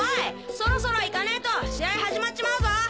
そろそろ行かねと試合始まっちまうぞ！